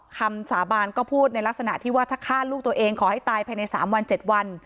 คำสาบานก็พูดในลักษณะที่ว่าถ้าฆ่าลูกตัวเองขอให้ตายภายใน๓วัน๗วัน